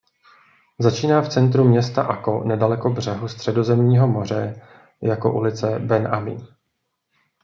Začíná v centru města Akko nedaleko břehu Středozemního moře jako ulice Ben Ami.